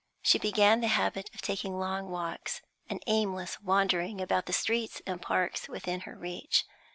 She began the habit of taking long walks, an aimless wandering about the streets and parks within her reach.